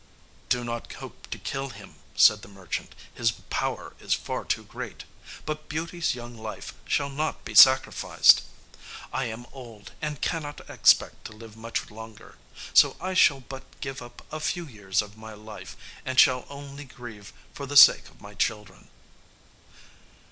"Do not hope to kill him," said the merchant; "his power is far too great. But Beauty's young life shall not be sacrificed; I am old, and cannot expect to live much longer; so I shall but give up a few years of my life, and shall only grieve for the sake of my children."